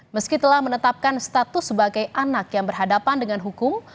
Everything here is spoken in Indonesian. meski telah menetapkan status sebagai anak yang berhadapan dengan hukum